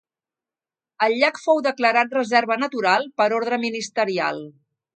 El llac fou declarat reserva natural por ordre ministerial.